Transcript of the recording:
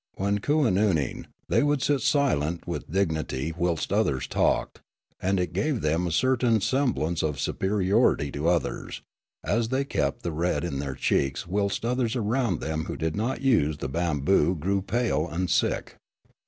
When kooannooing, they could sit silent with dignity whilst others talked ; and it gave them a certain semblance of superiorit} to others, as they kept the red in their cheeks whilst others around who did not use the bamboo grew pale and sick.